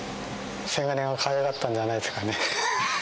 せがれがかわいかったんじゃないですかね。